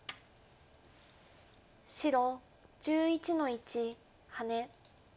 白１１の一ハネ。